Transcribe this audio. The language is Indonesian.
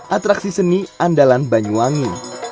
atraksi seni andalan banyuwangi